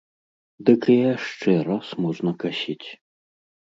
Дык і яшчэ раз можна касіць.